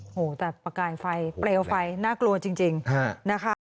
โหแต่ประกายไฟเปลวไฟน่ากลัวจริงนะคะ